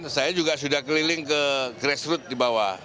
saya juga sudah keliling ke grassroot di bawah